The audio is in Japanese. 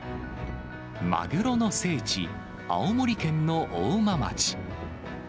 マグロの聖地、青森県の大間町。